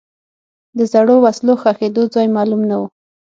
د زړو وسلو ښخېدو ځای معلوم نه و.